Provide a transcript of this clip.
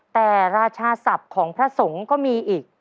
แต่ราชาศัพท์ของพระสงฆ์ก็มีอีก